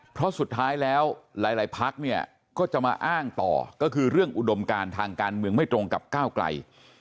เพราะสุดท้ายแล้วหลายพักเนี่ยก็จะมาอ้างต่อก็คือเรื่องอุดมการทางการเมืองไม่ตรงกับก้าวไกล